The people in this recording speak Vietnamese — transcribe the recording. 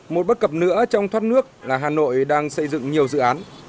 một bất cập nữa trong thoát nước là hà nội đang xây dựng nhiều dự án